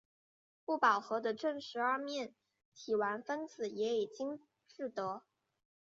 不饱和的正十二面体烷分子也已经制得。